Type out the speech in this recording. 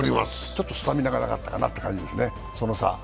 ちょっとスタミナがなかったかなと思いますね、その差。